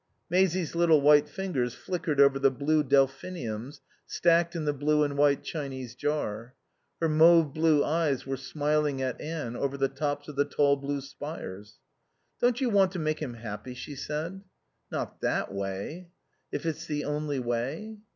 Maisie's little white fingers flickered over the blue delphiniums stacked in the blue and white Chinese jar. Her mauve blue eyes were smiling at Anne over the tops of the tall blue spires. "Don't you want to make him happy?" she said. "Not that way." "If it's the only way